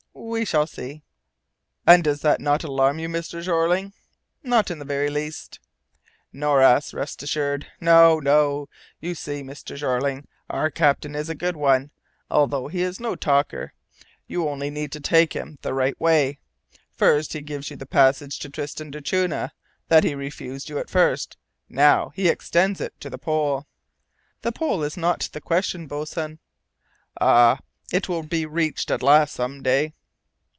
"We shall see." "And does that not alarm you, Mr. Jeorling?" "Not in the very least." "Nor us, rest assured. No, no! You see, Mr. Jeorling, our captain is a good one, although he is no talker. You only need to take him the right way! First he gives you the passage to Tristan d'Acunha that he refused you at first, and now he extends it to the pole." "The pole is not the question, boatswain." "Ah! it will be reached at last, some day."